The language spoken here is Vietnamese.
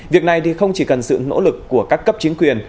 việc này thì không chỉ cần sự nỗ lực của các cấp chính quyền